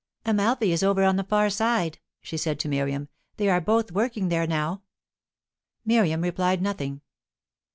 "Amalfi is over on the far side," she said to Miriam. "They are both working there now." Miriam replied nothing.